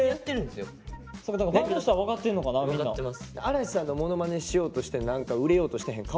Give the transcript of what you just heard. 嵐さんのモノマネしようとして何か売れようとしてへん？